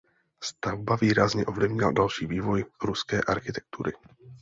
Stavba výrazně ovlivnila další vývoj ruské architektury.